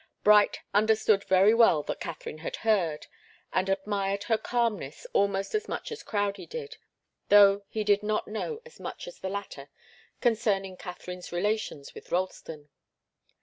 Bright understood very well that Katharine had heard, and admired her calmness almost as much as Crowdie did, though he did not know as much as the latter concerning Katharine's relations with Ralston.